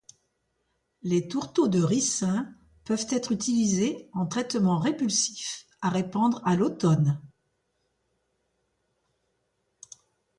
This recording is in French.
Les tourteaux de ricin peuvent être utilisés en traitement répulsif à répandre à l'automne.